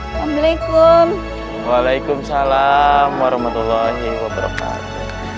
waalaikumsalam warahmatullahi wabarakatuh